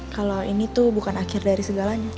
kalau ini tuh bukan akhir dari segalanya